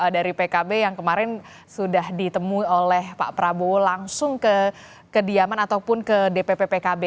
dari pkb yang kemarin sudah ditemui oleh pak prabowo langsung ke kediaman ataupun ke dpp pkb